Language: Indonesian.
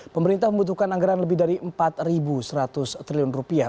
pemerintah membutuhkan anggaran lebih dari empat seratus triliun rupiah